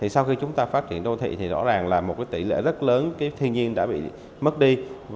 sau khi chúng ta phát triển đô thị thì rõ ràng là một tỷ lệ rất lớn thiên nhiên đã bị mất đi